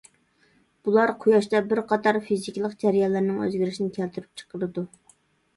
بۇلار قۇياشتا بىر قاتار فىزىكىلىق جەريانلارنىڭ ئۆزگىرىشىنى كەلتۈرۈپ چىقىرىدۇ.